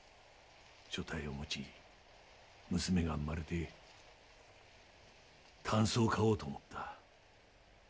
所帯を持ち娘が生まれて箪笥を買おうと思った。